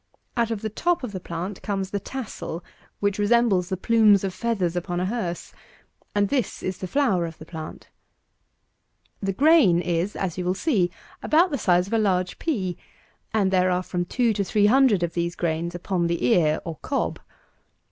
Out of the top of the plant comes the tassel, which resembles the plumes of feathers upon a hearse; and this is the flower of the plant. 261. The grain is, as you will see, about the size of a large pea, and there are from two to three hundred of these grains upon the ear, or cob.